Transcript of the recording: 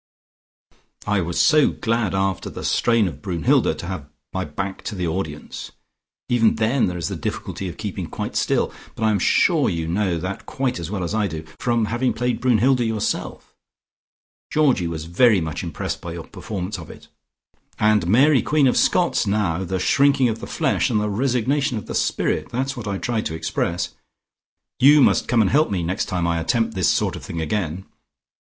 I was so glad after the strain of Brunnhilde to have my back to the audience. Even then there is the difficulty of keeping quite still, but I am sure you know that quite as well as I do, from having played Brunnhilde yourself. Georgie was very much impressed by your performance of it. And Mary Queen of Scots now! The shrinking of the flesh, and the resignation of the spirit! That is what I tried to express. You must come and help me next time I attempt this sort of thing again.